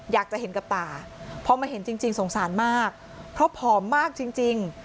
อยากจะเห็นกับตาพอมาเห็นจริงสงสารมากเพราะผอมมากจริง